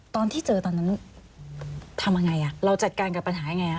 ตอนที่เจอตอนนั้นทำยังไงเราจัดการกับปัญหายังไง